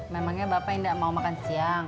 memangnya bapak tidak mau makan siang